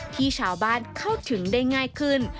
ที่ชาวบ้านเข้าถึงได้ง่ายขึ้น